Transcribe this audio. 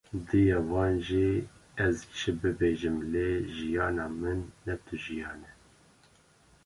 Diya wan jî: Ez çi bibêjim, lê jiyana min, ne tu jiyan e.”